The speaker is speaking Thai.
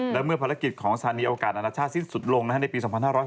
และเมื่อภารกิจของสถานีอวกาศนานาชาติสิ้นสุดลงในปี๒๕๕๙